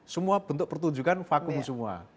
semua bentuk pertunjukan vakum semua